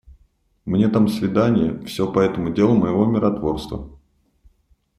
Мне там свиданье, всё по этому делу моего миротворства.